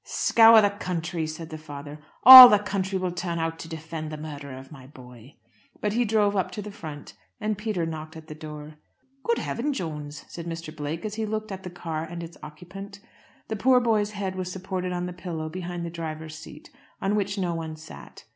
"Scour the country!" said the father. "All the country will turn out to defend the murderer of my boy." But he drove up to the front, and Peter knocked at the door. "Good heaven, Jones!" said Mr. Blake, as he looked at the car and its occupant. The poor boy's head was supported on the pillow behind the driver's seat, on which no one sat.